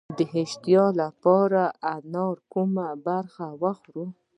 د اشتها لپاره د انار کومه برخه وخورم؟